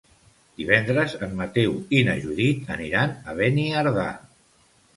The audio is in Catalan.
Divendres en Mateu i na Judit aniran a Beniardà.